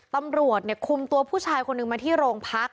ตำรวจคุมตัวผู้ชายคนหนึ่งมาที่โรงพัก